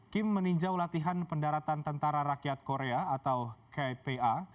kim meninjau latihan pendaratan tentara rakyat korea atau kpa